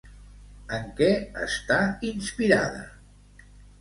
En què està inspirada?